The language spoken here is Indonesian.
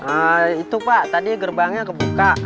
ah itu pak tadi gerbangnya kebuka